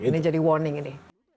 ini jadi warning ini